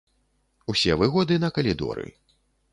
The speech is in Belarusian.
Усе выгоды на калідоры.